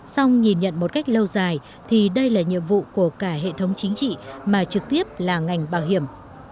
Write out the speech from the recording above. xong nhìn nhận một cách lâu dài thì đây là nhiệm vụ của cả hệ thống chính trị mà trực tiếp là ngành bảo hiểm